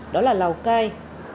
đó là lào cai